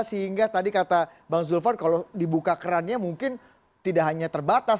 sehingga tadi kata bang zulfan kalau dibuka kerannya mungkin tidak hanya terbatas